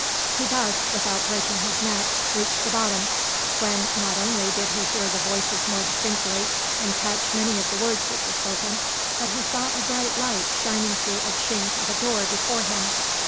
He thus, without breaking his neck, reached the bottom, when not only did he hear the voices more distinctly and catch many of the words which were spoken, but he saw a bright light shining through a chink of a door before him.